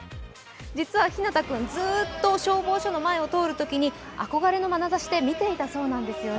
実はひなた君、ずーっと消防署の前を通るときに憧れのまなざしで見ていたそうなんです。